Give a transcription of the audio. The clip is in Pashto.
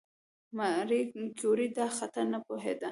ماري کیوري دا خطر نه پوهېده.